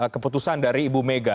keputusan dari ibu mega